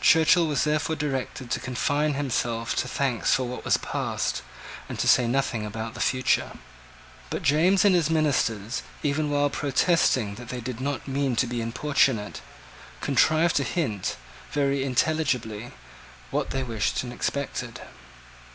Churchill was therefore directed to confine himself to thanks for what was past, and to say nothing about the future. But James and his ministers, even while protesting that they did not mean to be importunate, contrived to hint, very intelligibly, what they wished and expected.